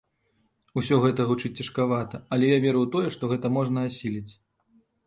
Усё гэта гучыць цяжкавата, але я веру ў тое, што гэта можна асіліць.